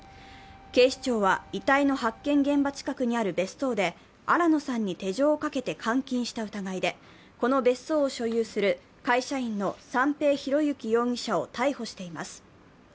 警視庁は、遺体の発見現場近くにある別荘で新野さんに手錠をかけて監禁した疑いでこの別荘を所有する会社員の三瓶博幸容疑者を逮捕しています。